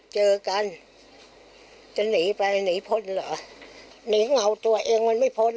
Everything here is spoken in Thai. เจอกันจะหนีไปหนีพ้นเหรอหนีเหงาตัวเองมันไม่พ้น